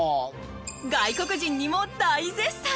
外国人にも大絶賛